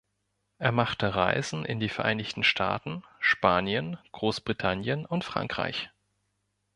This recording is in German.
Er machte Reisen in die Vereinigten Staaten, Spanien, Großbritannien und Frankreich.